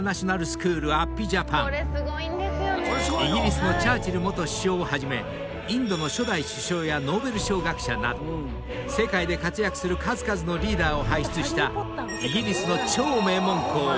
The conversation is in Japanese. ［イギリスのチャーチル元首相をはじめインドの初代首相やノーベル賞学者など世界で活躍する数々のリーダーを輩出した］